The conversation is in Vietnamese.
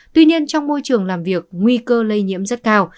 tuy nhiên trong môi trường làm việc nguy cơ lây nhiễm rất cao